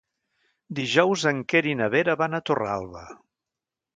Dijous en Quer i na Vera van a Torralba.